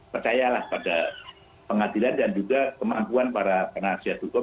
percayalah pada pengadilan dan juga kemampuan para penasihat hukum